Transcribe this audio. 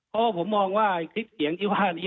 เพราะว่าผมมองว่าคลิปเสียงที่ว่านี้